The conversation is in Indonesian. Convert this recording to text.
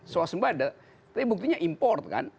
soal sembada tapi buktinya import kan